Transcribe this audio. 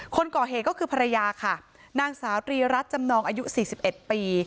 คนก่อเหตุก็คือภรรยาค่ะนางสาวตรีรัฐจำนองอายุ๔๑ปี